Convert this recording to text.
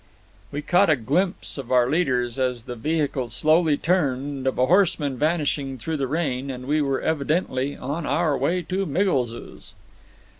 We caught a glimpse of our leaders as the vehicle slowly turned, of a horseman vanishing through the rain, and we were evidently on our way to Miggles's.